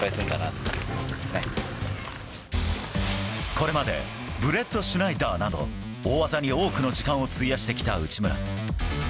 これまでブレットシュナイダーなど大技に多くの時間を費やしてきた内村。